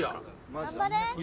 頑張れ！